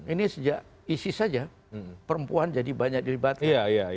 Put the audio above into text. ini sejak isis saja perempuan jadi banyak dilibatkan